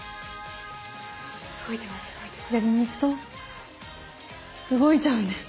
左に行くと動いちゃうんです！